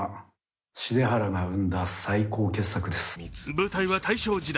舞台は大正時代。